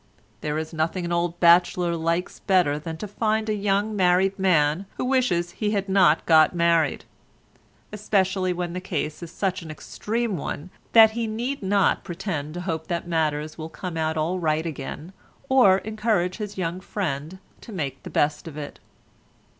There is nothing an old bachelor likes better than to find a young married man who wishes he had not got married—especially when the case is such an extreme one that he need not pretend to hope that matters will come all right again, or encourage his young friend to make the best of it.